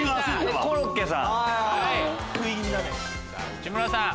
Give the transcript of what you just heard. コロッケさん。